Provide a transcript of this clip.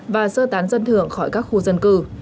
và sơ tán dân thường khỏi các khu dân cư